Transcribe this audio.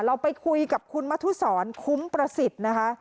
เราไปคุยกับคุณมทุศรคุ้มประสิทธิ์นะคะ